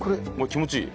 気持ちいい。